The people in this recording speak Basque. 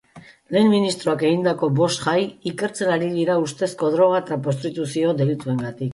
Lehen ministroak egindako bost jai ikertzen ari dira ustezko droga eta prostituzio delituengatik.